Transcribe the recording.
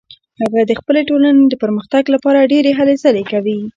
هغه د خپلې ټولنې د پرمختګ لپاره ډیرې هلې ځلې کوي